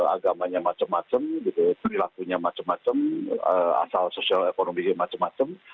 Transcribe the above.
agamanya macam macam perilakunya macam macam asal sosial ekonomi macam macam